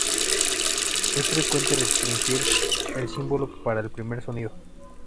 Es frecuente restringir el símbolo para el primer sonido.